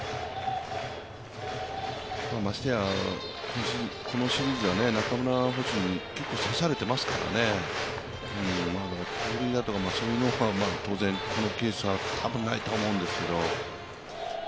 ましてや、このシリーズは中村捕手に結構刺されてますからね、盗塁だとか、そういうケースは多分ないと思うんですけど。